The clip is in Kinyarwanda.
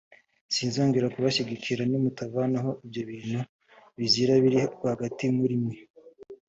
sinzongera kubashyigikira, nimutavanaho ibyo bintu bizira biri rwagati muri mwe.